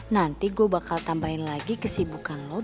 nanti gue bakal tambahin lagi kesibukan lo